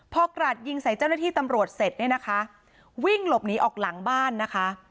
พอกราดยิงใส่เจ้าหน้าที่ตำรวจเสร็จเนี่ยนะคะวิ่งหลบหนีออกหลังบ้านนะคะ